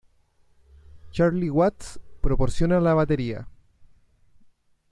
Charlie Watts proporciona la batería.